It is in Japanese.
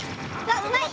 うまい！